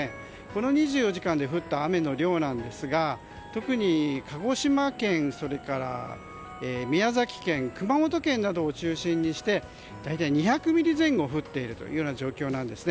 この２４時間で降った雨の量なんですが特に鹿児島県、それから宮崎県、熊本県などを中心にして大体２００ミリ前後降っている状況なんです。